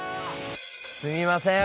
すみません。